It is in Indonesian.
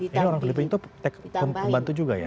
ini orang filipina itu pembantu juga ya